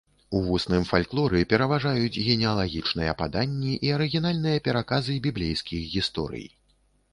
У вусным фальклоры пераважаюць генеалагічныя паданні і арыгінальныя пераказы біблейскіх гісторый.